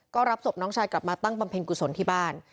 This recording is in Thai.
ก็รับศพน้องชายกลับมาตั้งบำเพ็ญกุศลที่บ้าน